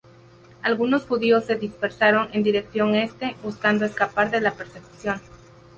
Algunos judíos se dispersaron en dirección este, buscando escapar de la persecución.